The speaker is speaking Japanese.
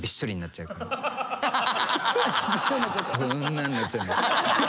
こんなんなっちゃうんで。